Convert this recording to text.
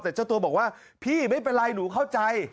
แต่เจ้าตัวบอกว่าพี่ไม่เป็นไรหนูเข้าใจ